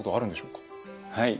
はい。